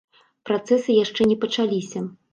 Працэсы яшчэ не пачаліся.